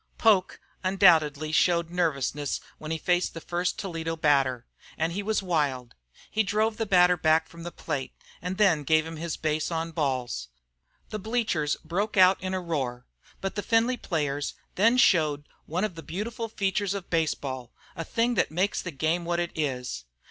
Well!" Poke undoubtedly showed nervousness when he faced the first Toledo batter, and he was wild. He drove the batter back from the plate, and then gave him his base on balls. The bleachers broke out in a roar. But the Findlay players then showed one of the beautiful features of baseball, a thing that makes the game what it is.